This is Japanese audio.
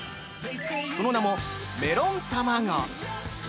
その名も「メロンたまご」。